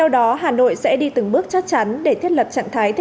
đồng chí nguyễn văn nguyễn bộ y tế